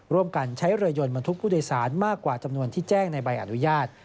ร่วมกันใช้เรือยนบรรทุกผู้โดยสารมากกว่าจำนวนที่แจ้งในใบอนุญาต